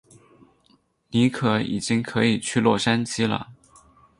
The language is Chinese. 尼可已经可以去洛杉矶了。